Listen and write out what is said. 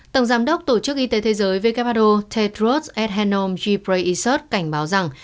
tổng giám đốc tổ chức y tế thế giới who tedros adhanom ghebreyesus cảnh báo rằng